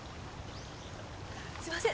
すみません。